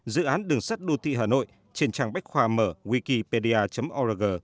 dự án đường sắt đô thị hà nội trên trang bách khoa mở wikipedia org